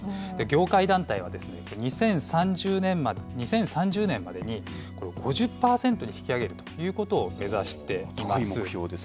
業界団体は、２０３０年までに、これを５０％に引き上げるということを目指しています。